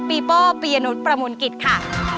โป้ปียนุษย์ประมูลกิจค่ะ